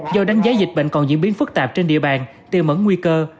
do đánh giá dịch bệnh còn diễn biến phức tạp trên địa bàn tiêu mấn nguy cơ